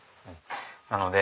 なので。